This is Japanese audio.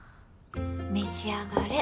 召し上がれ。